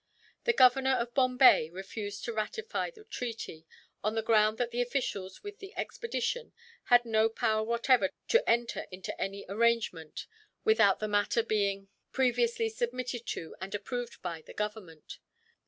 The Governor of Bombay refused to ratify the treaty, on the ground that the officials with the expedition had no power whatever to enter into any arrangement, without the matter being previously submitted to, and approved by, the Government.